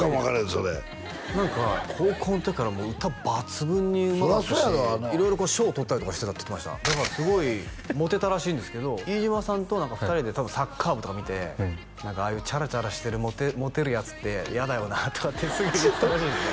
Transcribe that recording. それ何か高校の時から歌抜群にうまかったし色々賞を取ったりとかしてたって言ってましただからすごいモテたらしいんですけど飯島さんと２人で多分サッカー部とか見て「ああいうチャラチャラしてるモテるヤツって嫌だよな」とかってすごい言ってたらしいですね